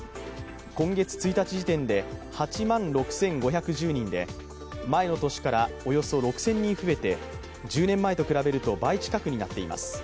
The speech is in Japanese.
今月１日時点で８万６５１０人で前の年からおよそ６０００人増えて１０年前と比べると倍近くになっています。